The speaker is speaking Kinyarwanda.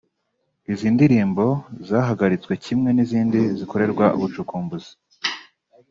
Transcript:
Izi ndirimbo zahagaritswe kimwe n’izindi zigikorerwa ubucukumbuzi